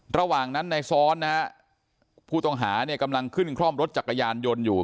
ระหว่างนั้นในซ้อนนะฮะผู้ต้องหาเนี่ยกำลังขึ้นคล่อมรถจักรยานยนต์อยู่